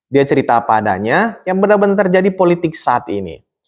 dia cerita apa adanya yang benar benar terjadi politik saat ini